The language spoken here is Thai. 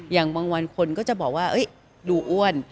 อย่างบางวันคนก็จะบอกว่าดูอ้วน